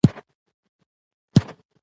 خلکو ته يې ويل چې دا کېبل مو خوښ دی.